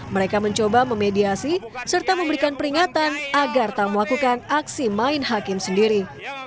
mereka mencoba memediasi serta memberikan peringatan agar tak melakukan aksi main hakim sendiri